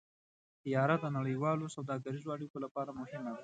طیاره د نړیوالو سوداګریزو اړیکو لپاره مهمه ده.